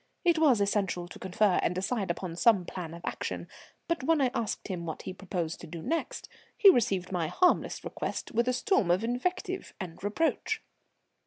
It was essential to confer and decide upon some plan of action; but when I asked him what he proposed to do next, he received my harmless request with a storm of invective and reproach.